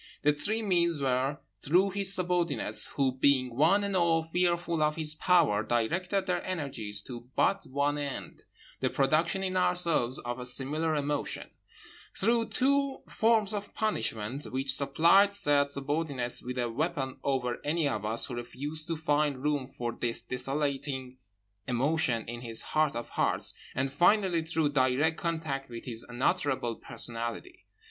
The three means were: through his subordinates, who being one and all fearful of his power directed their energies to but one end—the production in ourselves of a similar emotion; through two forms of punishment, which supplied said subordinates with a weapon over any of us who refused to find room for this desolating emotion in his heart of hearts; and, finally, through direct contact with his unutterable personality.